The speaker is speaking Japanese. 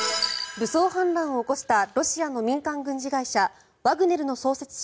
武装反乱を起こしたロシアの民間軍事会社ワグネルの創設者